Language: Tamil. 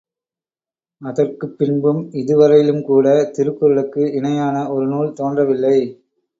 அதற்குப் பின்பும் இதுவரையிலும் கூட திருக்குறளுக்கு இணையான ஒரு நூல் தோன்றவில்லை.